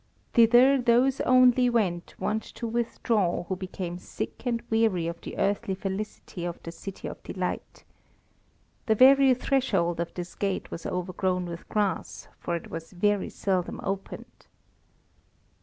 Thither those only were wont to withdraw who became sick and weary of the earthly felicity of the City of Delight. The very threshold of this gate was overgrown with grass, for it was very seldom opened.